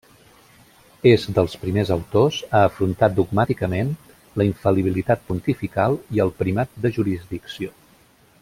És dels primers autors a afrontar dogmàticament la infal·libilitat pontifical i el primat de jurisdicció.